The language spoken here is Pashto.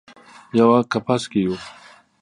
یوه کپس کې یو